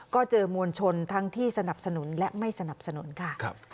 ก็เจอมวลชนทั้งที่สนับสนุนและไม่สนับสนุนค่ะ